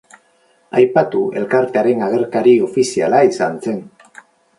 Aipatu elkartearen agerkari ofiziala izan zen.